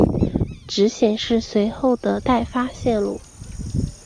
只显示随后的待发线路。